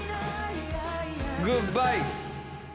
「グッバイ」